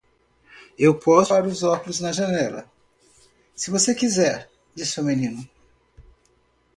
"Eu posso limpar os óculos na janela? se você quiser?" disse o menino.